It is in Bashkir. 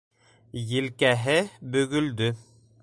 Елкәһе бөгөлдө.